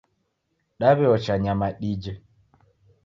Daw'eocha nyama dije.